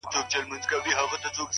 پرمختګ د دوامداره تمرین نتیجه ده،